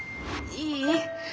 いい？